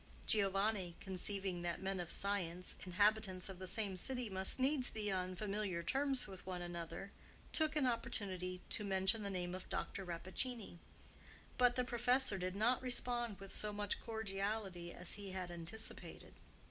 Giovanni, conceiving that men of science, inhabitants of the same city, must needs be on familiar terms with one another, took an opportunity to mention the name of Dr. Rappaccini. But the professor did not respond with so much cordiality as he had anticipated.